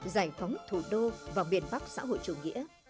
giải phóng thủ đô và miền bắc xã hội chủ nghĩa